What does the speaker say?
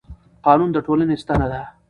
قانون د ټولنې ستنه ده